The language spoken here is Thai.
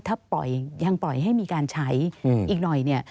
ถ้าปล่อยยังปล่อยให้มีการใช้อีกหน่อย